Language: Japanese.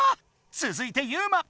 つづいてユウマ！